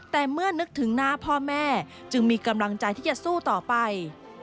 แต่เมื่อนึกถึงหน้าพ่อแม่จึงมีกำลังใจที่จะสู้ต่อไป